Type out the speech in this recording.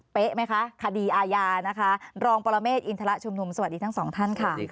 ไหมคะคดีอาญานะคะรองปรเมฆอินทรชุมนุมสวัสดีทั้งสองท่านค่ะ